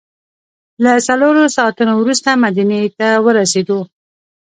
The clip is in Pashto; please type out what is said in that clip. له څلورو ساعتو وروسته مدینې ته ورسېدو.